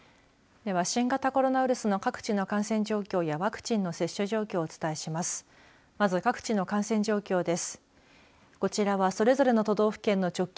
では、新型コロナウイルスの各地の感染状況やワクチンの接種状況をお伝えします。